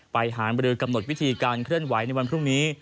ไปหามรือกำหนดวิธีการเคลื่อนไหวในวันพรุ่งนี้